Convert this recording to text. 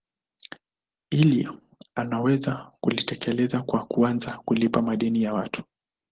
Hili anaweza kulitekeleza kwa kuanza kulipa madeni ya watu